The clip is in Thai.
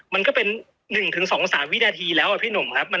มันก็เป็น๑๒๓วินาทีแล้วพี่หนุ่มครับ